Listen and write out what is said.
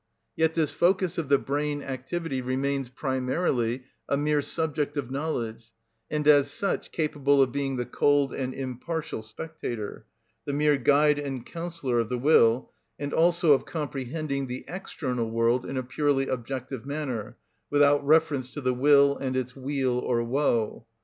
Yet this focus of the brain activity remains primarily a mere subject of knowledge, and as such capable of being the cold and impartial spectator, the mere guide and counsellor of the will, and also of comprehending the external world in a purely objective manner, without reference to the will and its weal or woe.